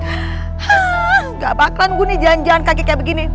hah gak apaan gue nih jalan jalan kaki kayak begini